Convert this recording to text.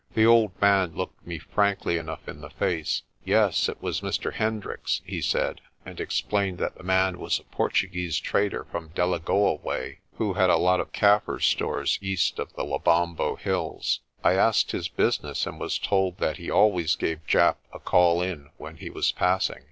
The old man looked me frankly enough in the face. "Yes, it was Mr. Hendricks," he said, and explained that the man was a Portuguese trader from Delagoa way, who had a lot of Kaffir stores east of the Lebombo Hills. I asked his business, and was told that he always gave Japp a call in when he was passing.